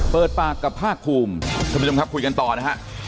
เปิดปากกับภาคภูมิท่านผู้ชมครับคุยกันต่อนะฮะ